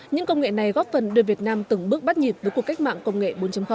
những công nghệ này góp phần đưa việt nam từng bước bắt nhịp với cuộc cách mạng công nghệ bốn